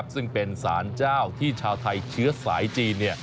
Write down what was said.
ซึ่งเป็นสารเจ้าที่ชาวไทยเชื้อสายจีน